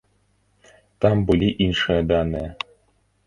Там былі іншыя даныя.